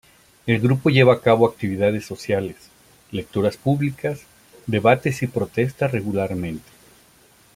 El grupo lleva a cabo actividades sociales, lecturas públicas, debates y protestas regularmente.